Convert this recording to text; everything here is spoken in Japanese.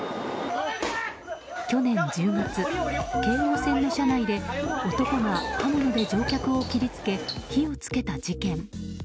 去年１０月、京王線の車内で男が刃物で乗客を切り付け火を付けた事件。